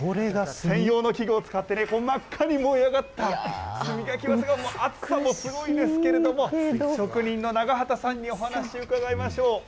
専用の器具を使ってね、真っ赤に燃え上がった炭が、熱さもすごいんですけれども、職人の長畑さんにお話、伺いましょう。